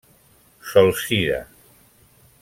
Solsida: